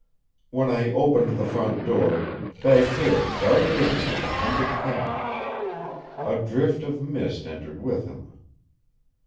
When I opened the front door, Bagheera darted in like a hunted cat. A drift of mist entered with him.